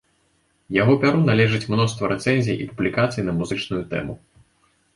Яго пяру належыць мноства рэцэнзій і публікацый на музычную тэму.